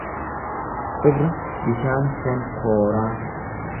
Cibra bishaan shonkooraa